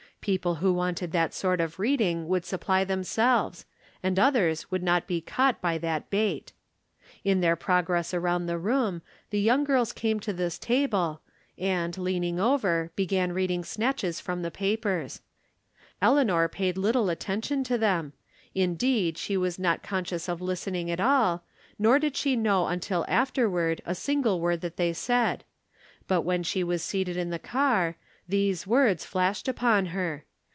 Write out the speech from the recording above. People who wanted that sort of reading would supply themselves, and others would not be caught by that bait. In From Different Standpoints. 325 their progress around the room the young girls came to this table, and, leaning over, began read ing snatches from . the papers. Eleanor paid little attention to them, indeed, she was not con scious of listening at all, nor did she know until afterward a single word they said ; but, when she was seated in the car, these words flashed upon her.